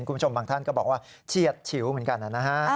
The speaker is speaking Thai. คุณผู้ชมบางท่านก็บอกว่าเฉียดฉิวเหมือนกันนะฮะ